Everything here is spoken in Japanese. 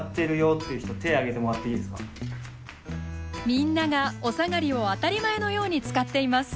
みんながおさがりを当たり前のように使っています。